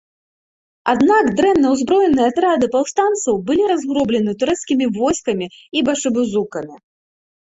Аднак дрэнна ўзброеныя атрады паўстанцаў былі разгромлены турэцкімі войскамі і башыбузукамі.